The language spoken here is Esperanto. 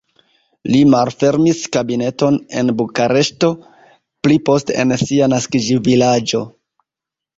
Li malfermis kabineton en Bukareŝto, pli poste en sia naskiĝvilaĝo.